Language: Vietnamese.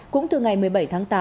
cũng từ ngày một mươi bảy tháng tám